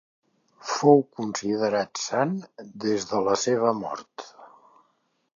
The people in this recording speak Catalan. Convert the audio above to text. Fou considerat sant des de la seva mort.